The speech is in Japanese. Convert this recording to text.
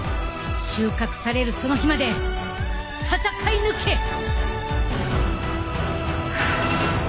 収穫されるその日まで戦い抜け！ハァ。